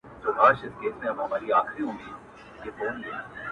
ستا سترگي دي-